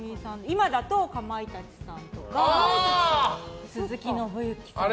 今だと、かまいたちさんとか鈴木伸之さん。